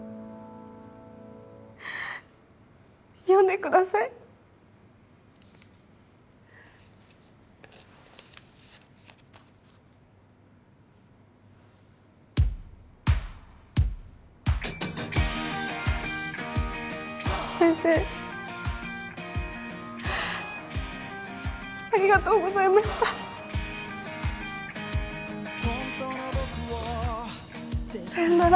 読んでください先生ありがとうございましたさようなら